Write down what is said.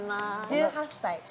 １８歳！？